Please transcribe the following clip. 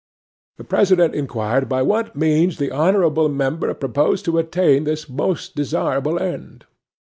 'THE PRESIDENT inquired by what means the honourable member proposed to attain this most desirable end?